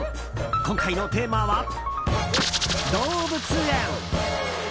今回のテーマは、動物園！